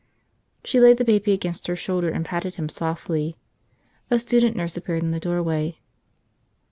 She laid the baby against her shoulder and patted him softly. A student nurse appeared in the doorway.